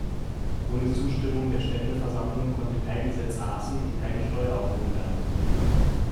Ohne Zustimmung der Ständeversammlung konnte kein Gesetz erlassen und keine Steuer erhoben werden.